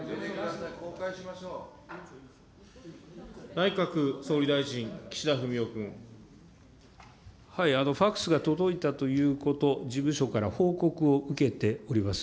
内閣総理大臣、ファックスが届いたということ、事務所から報告を受けております。